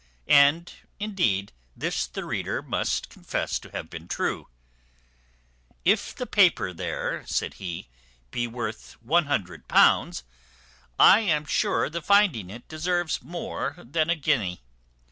And, indeed, this the reader must confess to have been true. "If the paper there," said he, "be worth £100, I am sure the finding it deserves more than a guinea.